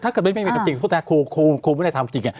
ถ้าเกิดไม่เลวแต่จริงคุณแทรกครูไม่ได้ทำจริง